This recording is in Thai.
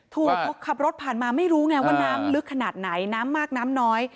ถูกขับรถผ่านมาไม่รู้ไงว่าน้ำลึกขนาดไหนน้ำมากน้ำน้อย